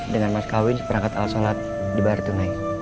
dengan mas kawin perangkat al salat di bartunai